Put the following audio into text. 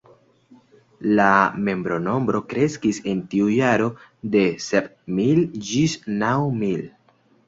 La membronombro kreskis en tiu jaro de sep mil ĝis naŭ mil.